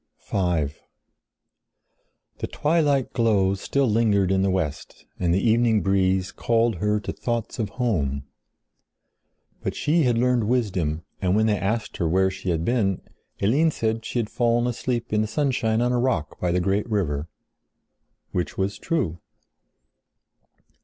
V The twilight glow still lingered in the west and the evening breeze called her to thoughts of home. But she had learned wisdom, and when they asked her where she had been, Eline said she had fallen asleep in the sunshine on a rock by the great river. Which was true.